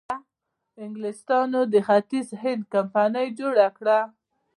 انګلیسانو د ختیځ هند کمپنۍ جوړه کړه.